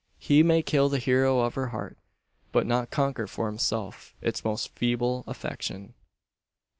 He may kill the hero of her heart, but not conquer for himself its most feeble affection!